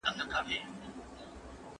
زه هم نه ومه خبره ما یقین نه سو کولای